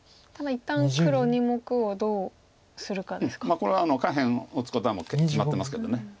これは下辺を打つことは決まってますけど。